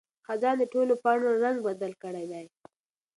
خزان د ټولو پاڼو رنګ بدل کړی دی.